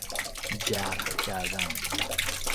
جرح کردن